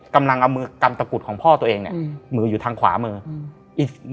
กำลังเอามือกำตะกุดของพ่อตัวเองเนี่ยมืออยู่ทางขวามืออืม